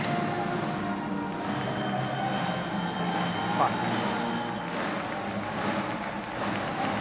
ファウルです。